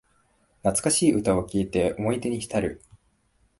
懐かしい歌を聴いて思い出にひたる